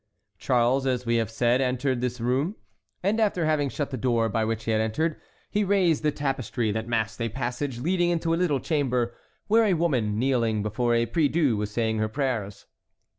" Charles, as we have said, entered this room, and after having shut the door by which he had entered, he raised the tapestry that masked a passage leading into a little chamber, where a woman kneeling before a priedieu was saying her prayers.